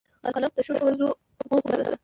قلم د ښو ښوونیزو موخو وسیله ده